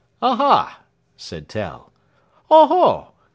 "Aha!" said Tell. "Oho!